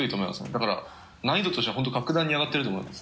だから難易度としては本当格段に上がってると思います。